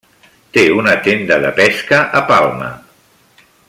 Té una tenda de pesca a Palma.